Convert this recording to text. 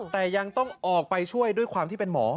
แต่ยังต้องออกไปช่วยด้วยความที่เป็นหมอ